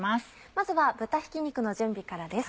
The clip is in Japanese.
まずは豚ひき肉の準備からです。